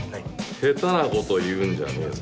下手なこと言うんじゃねえぞ。